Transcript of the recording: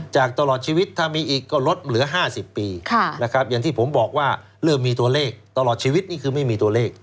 ตลอดชีวิตถ้ามีอีกก็ลดเหลือ๕๐ปีนะครับอย่างที่ผมบอกว่าเริ่มมีตัวเลขตลอดชีวิตนี่คือไม่มีตัวเลข